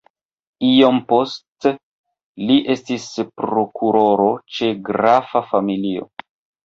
Iom poste li estis prokuroro ĉe grafa familio.